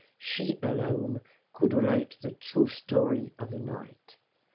She alone could relate the true story of the night.